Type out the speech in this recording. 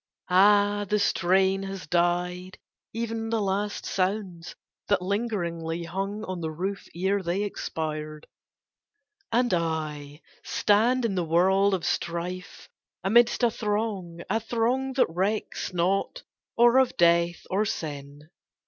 Ah, the strain Has died ev'n the last sounds that lingeringly Hung on the roof ere they expired! And I, Stand in the world of strife, amidst a throng, A throng that recks not or of death, or sin!